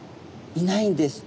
いないんです。